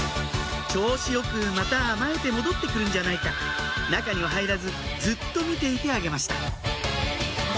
調子よくまた甘えて戻ってくるんじゃないか中には入らずずっと見ていてあげました